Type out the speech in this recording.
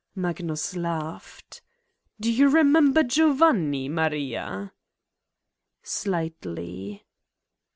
" Magnus laughed : "Do you remember Giovanni, Maria? " "Slightly."